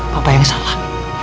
papa yang salah